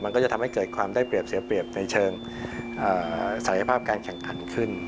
มันก็จะทำให้เกิดความได้เปรียบเสียเปรียบในเชิงศักยภาพการแข่งขันขึ้น